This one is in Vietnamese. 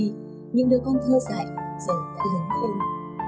nhưng đứa con thơ dại giờ vẫn hứng ứng